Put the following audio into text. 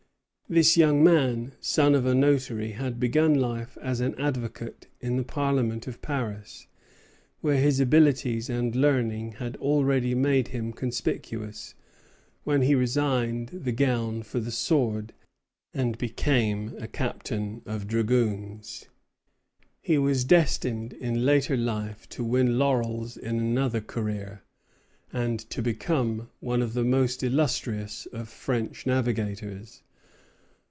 This young man, son of a notary, had begun life as an advocate in the Parliament of Paris, where his abilities and learning had already made him conspicuous, when he resigned the gown for the sword, and became a captain of dragoons. He was destined in later life to win laurels in another career, and to become one of the most illustrious of French navigators.